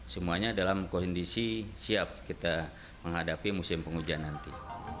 semuanya dalam kondisi siap kita menghadapi musim penghujan nanti